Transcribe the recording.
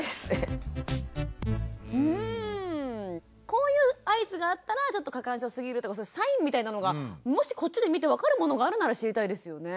こういう合図があったらちょっと過干渉すぎるとかそういうサインみたいなのがもしこっちで見て分かるものがあるなら知りたいですよね。